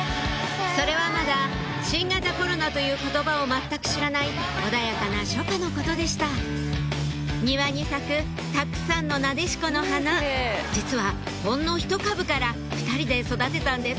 それはまだ「新型コロナ」という言葉を全く知らない穏やかな初夏のことでした庭に咲くたくさんのなでしこの花実はほんのひと株から２人で育てたんです